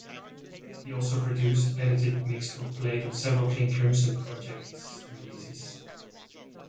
He also produced, edited mixed or played on several King Crimson ProjeKcts releases.